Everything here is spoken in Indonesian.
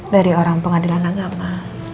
dari orang pengadilan agama